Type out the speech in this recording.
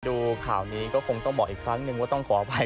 ดูข่าวนี้ก็คงต้องบอกอีกครั้งนึงว่าต้องขออภัย